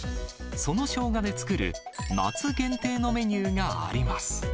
そのショウガで作る夏限定のメニューがあります。